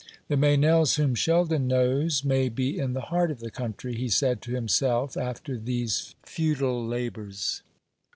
"The Meynells whom Sheldon knows may be in the heart of the country," he said to himself, after these futile labours.